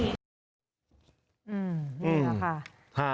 นี่แหละค่ะ